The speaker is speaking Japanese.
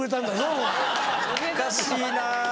おかしいな。